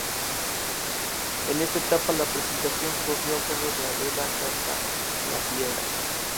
En esa etapa la presentación corrió a cargo de Adela Cantalapiedra.